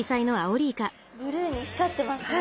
ブルーに光ってますね。